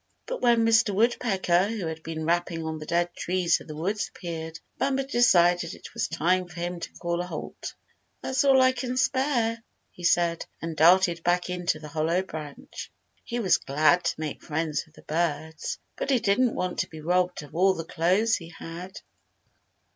But when Mr. Woodpecker, who had been rapping on the dead trees of the woods, appeared, Bumper decided it was time for him to call a halt. "That's all I can spare," he said, and darted back into the hollow branch. He was glad to make friends with the birds, but he didn't want to be robbed of all the clothes he had.